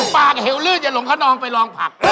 ปากเหลือจะหลงข้าน้องไปรองผัก